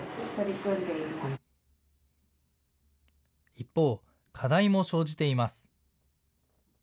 一方、課題も生じています。